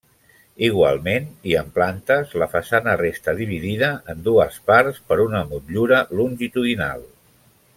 Igualment, i en plantes, la façana resta dividida en dues parts per una motllura longitudinal.